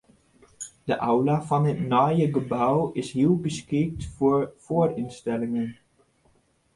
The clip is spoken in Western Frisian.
De aula fan it nije gebou is hiel geskikt foar foarstellingen.